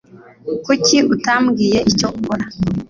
Kuki utambwiye icyo ukora?